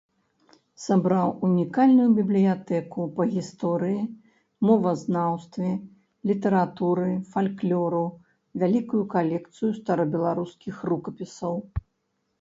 Сабраў унікальную бібліятэку па гісторыі, мовазнаўстве, літаратуры, фальклору, вялікую калекцыю старабеларускіх рукапісаў.